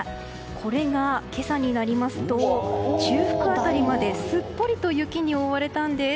これが、今朝になりますと中腹辺りまですっぽりと雪に覆われたんです。